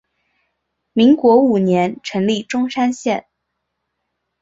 民国五年成立钟山县。